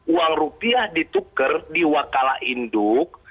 uang rupiah ditukar di wakala induk